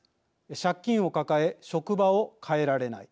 借金を抱え職場を変えられない。